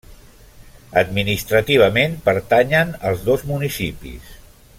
Administrativament pertanyen als dos municipis.